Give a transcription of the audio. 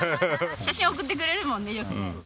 写真送ってくれるもんねよくね。